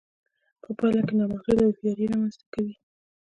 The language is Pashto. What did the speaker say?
په پايله کې نامحدوده هوښياري رامنځته کوي.